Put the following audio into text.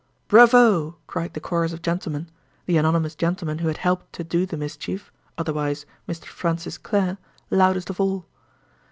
"Bravo!" cried the chorus of gentlemen—the anonymous gentleman who had helped to do the mischief (otherwise Mr. Francis Clare) loudest of all.